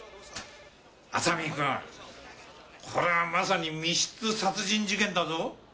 浅見くんこれはまさに密室殺人事件だぞ。